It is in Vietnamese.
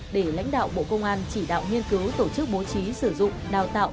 để lãnh đạo bộ công an chỉ đạo nghiên cứu tổ chức bố trí sử dụng đào tạo